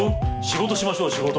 仕事しましょう仕事。